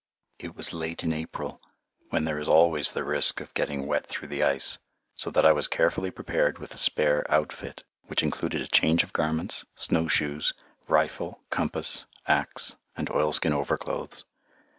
[Illustration: THE SETTLEMENT AT ST. ANTHONY] It was late in April, when there is always the risk of getting wet through the ice, so that I was carefully prepared with spare outfit, which included a change of garments, snow shoes, rifle, compass, axe, and oilskin overclothes.